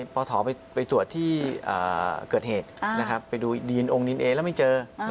พอถอไปตรวจที่เกิดเหตุไปดูดีนองค์ดีนเอแล้วไม่เจอ